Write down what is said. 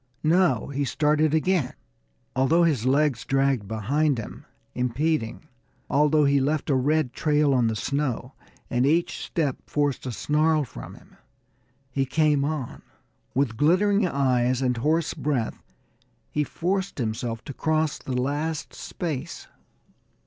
No; he started again! Although his legs dragged behind him, impeding, although he left a red trail on the snow, and each step forced a snarl from him, he came on. With glittering eyes and hoarse breath, he forced himself to cross the last space.